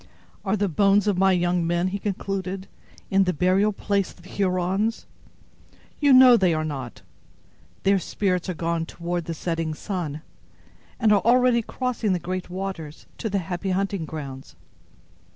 "Are the bones of my young men," he concluded, "in the burial place of the Hurons? You know they are not. Their spirits are gone toward the setting sun, and are already crossing the great waters, to the happy hunting grounds.